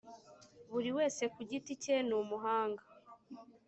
buri wese ku giti cye numuhanga